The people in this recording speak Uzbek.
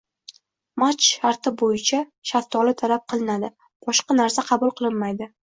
Match sharti bo`yicha shaftoli talab qilinadi, boshqa narsa qabul qilnmaydi